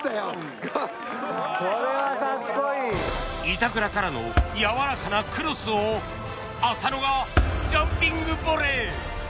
板倉からのやわらかなクロスを浅野がジャンピングボレー